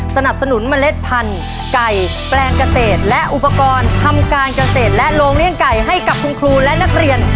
สนับสนุนเมล็ดพันธุ์ไก่แปลงเกษตรและอุปกรณ์ทำการเกษตรและโรงเลี้ยงไก่ให้กับคุณครูและนักเรียน